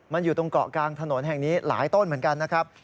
มันอยู่ตรงเกาะกลางถนนแห่งนี้หลายต้นเหมือนกันนะครับ